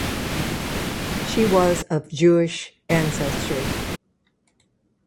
She was of Jewish ancestry.